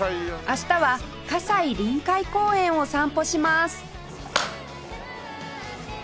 明日は西臨海公園を散歩します